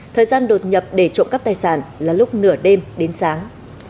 thời gian đột nhập để trộm cắp tài sản là lúc nửa đêm đến sáng